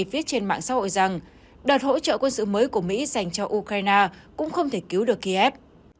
viết trên mạng xã hội rằng đợt hỗ trợ quân sự mới của mỹ dành cho ukraine cũng không thể cứu được kiev